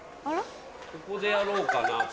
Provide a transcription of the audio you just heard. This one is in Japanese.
ここでやろうかなと。